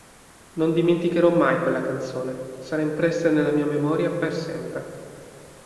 Non dimenticherò mai quella canzone, sarà impressa nella mia memoria per sempre.